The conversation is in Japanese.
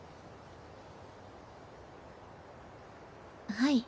はい。